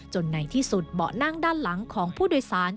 ในที่สุดเบาะนั่งด้านหลังของผู้โดยสาร